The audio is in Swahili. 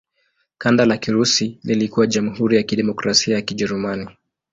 Kanda la Kirusi lilikuwa Jamhuri ya Kidemokrasia ya Kijerumani.